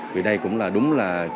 vì đây cũng là đúng là